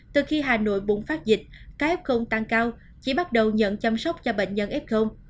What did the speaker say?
từ khi hà nội bùng phát dịch các f tăng cao chỉ bắt đầu nhận chăm sóc cho bệnh nhân f